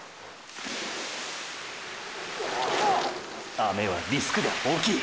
雨はリスクが大きい！！